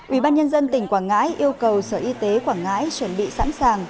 ubnd tỉnh quảng ngãi yêu cầu sở y tế quảng ngãi chuẩn bị sẵn sàng